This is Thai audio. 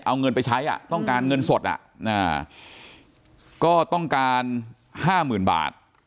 เอาเงินไปใช้อ่ะต้องการเงินสดอ่ะน่าก็ต้องการห้าหมื่นบาท